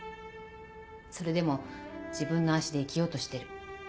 それでも自分の足で生きようとしてる。